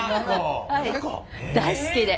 大好きで。